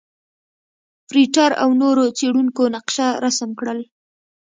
فرېټر او نورو څېړونکو نقشه رسم کړل.